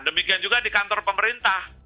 demikian juga di kantor pemerintah